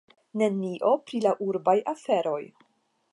Nenio pri la urbaj aferoj.